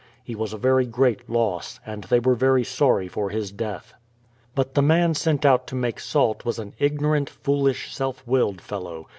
He was a very great loss, and they were very sorry for his death. But the man sent out to make salt was an ignorant, fool ish, self willed fellow.